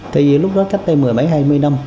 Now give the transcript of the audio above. tại vì lúc đó cách đây mười mấy hai mươi năm